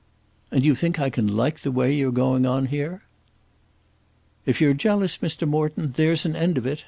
"And you think I can like the way you're going on here?" "If you're jealous, Mr. Morton, there's an end of it.